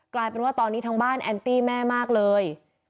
กลายเป็นว่าตอนนี้ทางบ้านแอนตี้แม่มากเลย